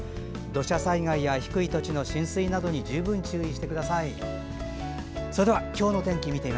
土砂災害や低い土地の浸水などに十分注意してください。